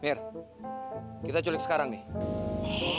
biar kita culik sekarang nih